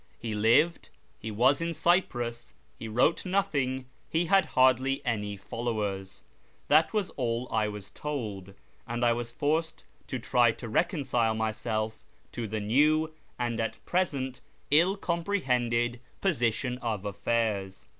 He lived, he was in Cyprus, he wrote nothing, he had hardly any followers ; that was all I was told, and I was forced to try to reconcile myself to the new, and at present ill compre hended, position of affairs.